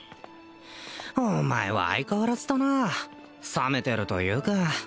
お前は相変わらずだな冷めてるというか